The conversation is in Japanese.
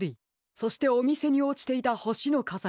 そしておみせにおちていたほしのかざり。